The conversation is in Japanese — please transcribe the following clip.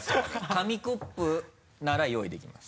紙コップなら用意できます。